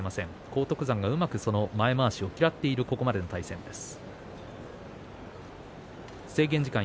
荒篤山がうまく前まわしを嫌っているここまでの対戦です。